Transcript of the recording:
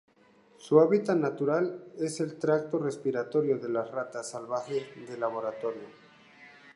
Su hábitat natural es el tracto respiratorio de las ratas salvajes de laboratorio.